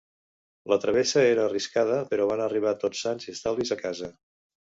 La travessa era arriscada però van arribar tots sans i estalvis a casa.